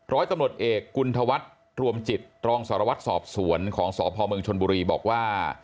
ร้อยตำรวจเอกกุณฑวัฒน์รวมจิตรองสารวัตรสอบสวนของสพเมืองชนบุรีบอกว่า